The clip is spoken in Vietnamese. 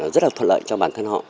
rất là thuận lợi cho bản thân họ